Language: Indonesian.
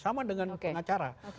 sama dengan pengacara